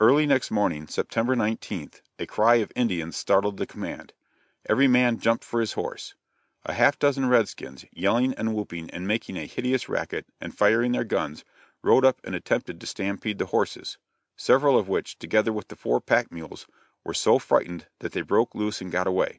Early next morning, September 19th, the cry of "Indians" startled the command. Every man jumped for his horse. A half dozen red skins, yelling and whooping and making a hideous racket, and firing their guns, rode up and attempted to stampede the horses, several of which, together with the four pack mules, were so frightened that they broke loose and got away.